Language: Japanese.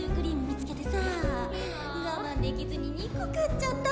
我慢できずに２個買っちゃった。